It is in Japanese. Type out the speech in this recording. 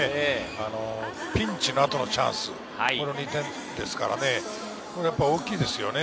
ピンチの後のチャンス、この２点ですからね、大きいですよね。